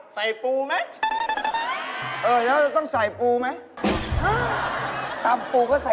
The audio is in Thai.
ใจเย็นลูก